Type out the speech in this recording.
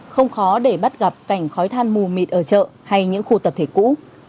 không khó để bắt gặp cảnh khói than mù mịt ở chợ hay những khu tập thể cũ